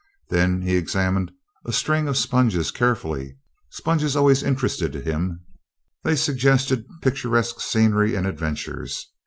Then he examined a string of sponges carefully sponges always interested him they suggested picturesque scenery and adventures.